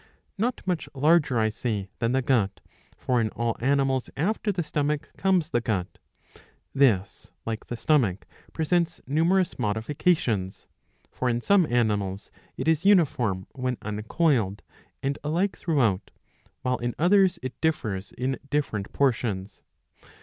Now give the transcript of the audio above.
^ Not much larger, I say, than the gut ; for in all animals after the stomach comes the gut. This, like the stomach, presents numerous modifications. For in some animals it is uniform, when uncoiled, and alike throughout, while in others it differs in different portions.